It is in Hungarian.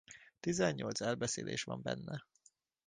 Tizennyolc elbeszélés van benne.